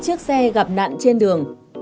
chiếc xe gặp nạn trên đường